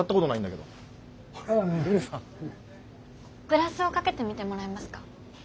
グラスをかけてみてもらえますか？